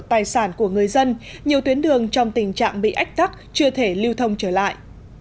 tài sản của người dân nhiều tuyến đường trong tình trạng bị ách tắc chưa thể lưu thông trở lại